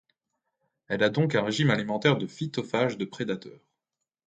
Elle a donc un régime alimentaire de phytophage de prédateur.